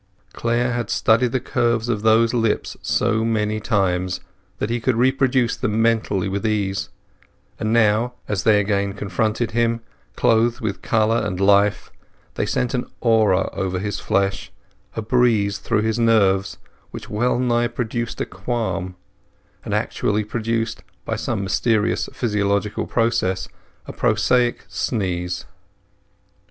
Clare had studied the curves of those lips so many times that he could reproduce them mentally with ease: and now, as they again confronted him, clothed with colour and life, they sent an aura over his flesh, a breeze through his nerves, which well nigh produced a qualm; and actually produced, by some mysterious physiological process, a prosaic sneeze.